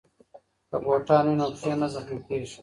که بوټان وي نو پښې نه زخمي کیږي.